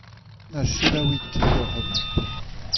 Na selaouit ket ac'hanomp.